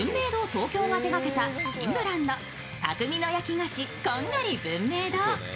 東京が手がけた新ブランド、匠の焼き菓子ＣＯＮＧＡＬＩ文明堂。